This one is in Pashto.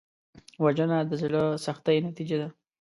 وژنه د زړه سختۍ نتیجه ده